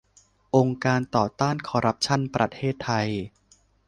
องค์การต่อต้านคอร์รัปชั่นประเทศไทย